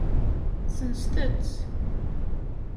Senset-tt.